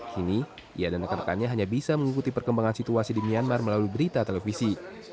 kini ia dan rekan rekannya hanya bisa mengikuti perkembangan situasi di myanmar melalui berita televisi